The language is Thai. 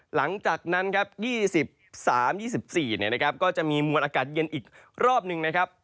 หลังจากนั้นครับ๒๓๒๔ก็จะมีมวลอากาศเย็นอีกรอบหนึ่งนะครับ